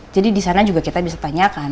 jadi disana juga kita bisa tanyakan